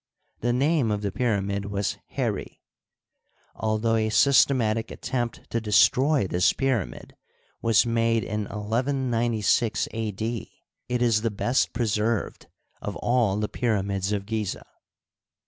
The name of the pyramid was Heri, Although a sys tematic attempt to destroy this pyramid was made in 11 96 A. D., it is the best preserved of all the pyramids of Gizeh.